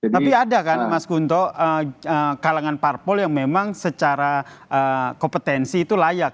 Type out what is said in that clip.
tapi ada kan mas kunto kalangan parpol yang memang secara kompetensi itu layak